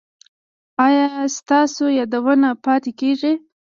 ایا ستاسو یادونه پاتې کیږي؟